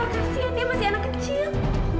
kasian dia masih anak kecil